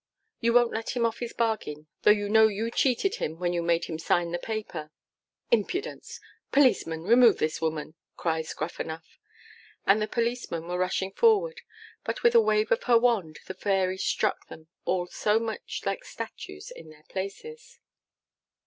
'You won't let him off his bargain, though you know you cheated him when you made him sign the paper?' 'Impudence! Policemen, remove this woman!' cries Gruffanuff. And the policemen were rushing forward, but with a wave of her wand the Fairy struck them all like so many statues in their places.